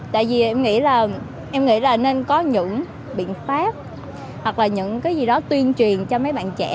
tại vì em nghĩ là nên có những biện pháp hoặc là những cái gì đó tuyên truyền cho mấy bạn trẻ